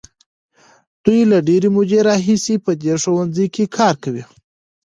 دوی له ډېرې مودې راهیسې په دې ښوونځي کې کار کوي.